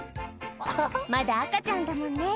まだ赤ちゃんだもんね